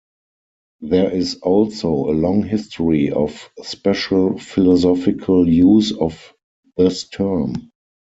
There is also a long history of special philosophical use of this term.